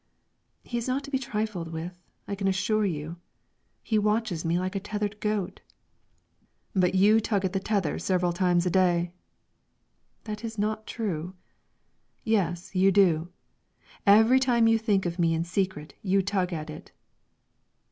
"He is not to be trifled with, I can assure you. He watches me like a tethered goat." "But you tug at the tether several times a day." "That is not true." "Yes, you do; every time you think of me in secret you tug at it."